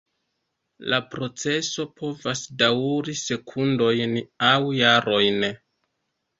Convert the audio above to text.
La proceso povas daŭri sekundojn aŭ jarojn.